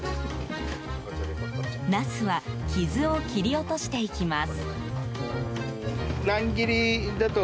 ナスは傷を切り落としていきます。